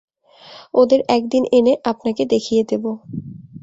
ওদের এক দিন এনে আপনাকে দেখিয়ে দেব।